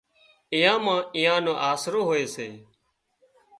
اين مان ايئان نو آسرو هوئي سي